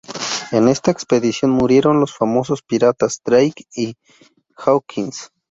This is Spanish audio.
En esta expedición murieron los famosos piratas Drake y Hawkins.